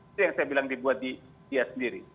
itu yang saya bilang dibuat di dia sendiri